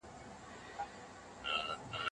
دوی به راغلل .